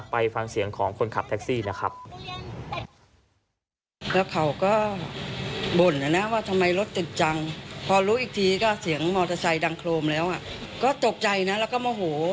ไปฟังเสียงของคนขับแท็กซี่นะครับ